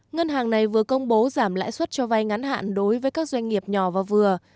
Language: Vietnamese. ngân hàng này vừa công bố giảm lãi suất cho vay ngắn hạn đối với các doanh nghiệp nhỏ và vừa